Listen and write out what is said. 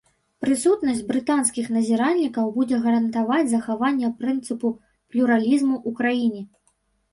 Прысутнасць брытанскіх назіральнікаў будзе гарантаваць захаванне прынцыпу плюралізму у краіне.